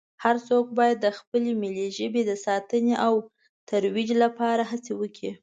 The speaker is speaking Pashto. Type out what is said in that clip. هر څو باید د خپلې ملي ژبې د ساتنې او ترویج لپاره هڅې وکړي